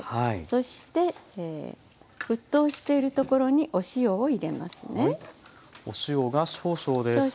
そして沸騰している所にお塩を入れますね。